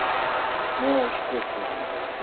もう引っ越しちまうのか。